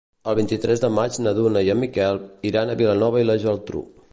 El vint-i-tres de maig na Duna i en Miquel iran a Vilanova i la Geltrú.